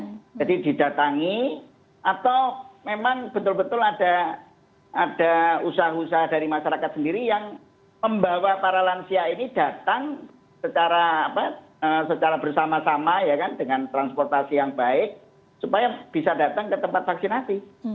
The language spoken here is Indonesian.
jadi lansia ini didatangi atau memang betul betul ada ada usaha usaha dari masyarakat sendiri yang membawa para lansia ini datang secara apa secara bersama sama ya kan dengan transportasi yang baik supaya bisa datang ke tempat vaksinasi